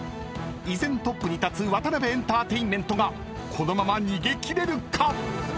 ［依然トップに立つワタナベエンターテインメントがこのまま逃げ切れるか⁉］